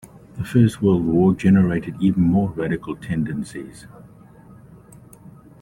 The First World War generated even more radical tendencies.